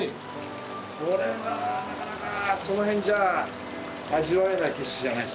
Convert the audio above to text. これはなかなかその辺じゃ味わえない景色じゃないですか？